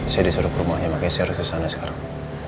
saya disuruh ke rumahnya makanya saya harus kesana sekarang